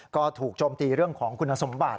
ก็ถูกโจมตีเรื่องของคุณสมบัติ